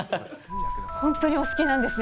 本当にお好きなんですね。